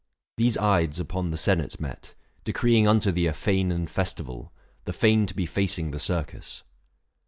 These Ides upon The senate met, decreeing unto thee A fane and festival, the fane to be Facing the circus.